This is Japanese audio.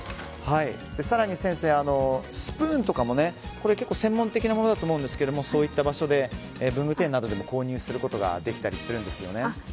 更に先生、スプーンとかも結構専門的なものだと思いますがそういった場所、文具店などでも購入することができたりするんですよね。